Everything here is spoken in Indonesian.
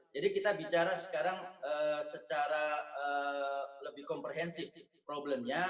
jadi kita bicara sekarang secara lebih komprehensif problemnya